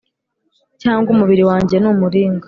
cyangwa umubiri wanjye ni umuringa’